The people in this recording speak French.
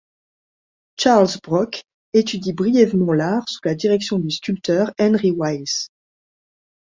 Charles Brock étudie brièvement l'art sous la direction du sculpteur Henry Wiles.